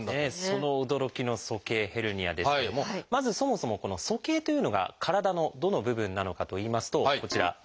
その驚きの鼠径ヘルニアですけどもまずそもそもこの「鼠径」というのが体のどの部分なのかといいますとこちら。